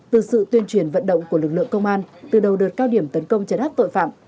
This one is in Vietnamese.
từ sự tuyên truyền vận động của lực lượng công an từ đầu đợt cao điểm tấn công chấn áp tội phạm